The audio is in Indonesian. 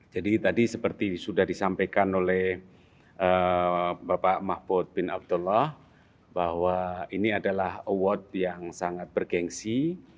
jadi tadi seperti sudah disampaikan oleh bapak mahfud bin abdullah bahwa ini adalah award yang sangat bergensi